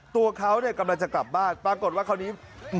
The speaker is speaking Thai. ตัวเขากำลังจะกลับบ้านปรากฏว่าคราวนี้